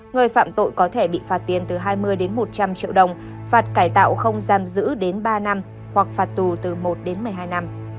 người phạm tội có thể bị phạt tiền từ hai mươi đến một trăm linh triệu đồng phạt cải tạo không giam giữ đến ba năm hoặc phạt tù từ một đến một mươi hai năm